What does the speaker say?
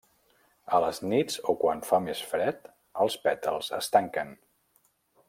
A les nits o quan fa més fred, els pètals es tanquen.